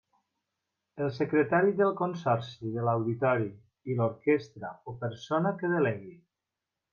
El Secretari del Consorci de L'Auditori i l'orquestra o persona que delegui.